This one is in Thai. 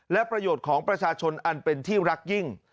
และประโยชน์ของประชาชนอันเป็นที่รักยิ่ง